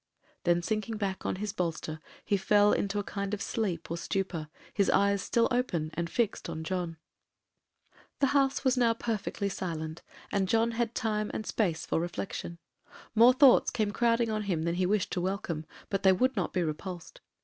Then, sinking back on his bolster, he fell into a kind of sleep or stupor, his eyes still open, and fixed on John. The house was now perfectly silent, and John had time and space for reflection. More thoughts came crowding on him than he wished to welcome, but they would not be repulsed.